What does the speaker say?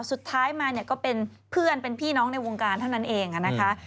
สุดท้ายมาเนี่ยก็เป็นเพื่อนเป็นพี่น้องในวงการเท่านั้นเองนะคะ